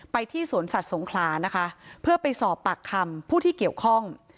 ที่สวนสัตว์สงขลานะคะเพื่อไปสอบปากคำผู้ที่เกี่ยวข้อง